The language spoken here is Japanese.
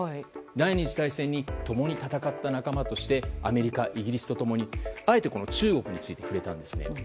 第２次世界大戦で共に戦った仲間としてアメリカ、イギリスと共にあえて中国について触れたんですね。